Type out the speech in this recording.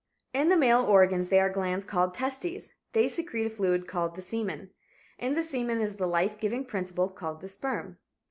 In the male organs there are glands called testes. They secrete a fluid called the semen. In the semen is the life giving principle called the sperm.